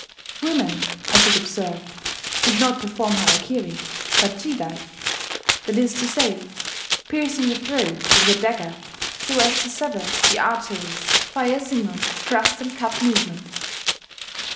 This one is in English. Women, I should observe, did not perform harakiri, but jigai, that is to say, piercing the throat with a dagger so as to sever the arteries by a single thrust and cut movement....